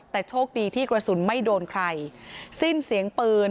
แต่โชคดีที่กระสุนไม่โดนใครสิ้นเสียงปืน